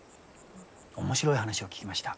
面白い話を聞きました。